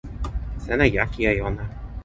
sina jaki e ona.